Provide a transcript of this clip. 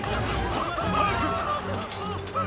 さあ早く！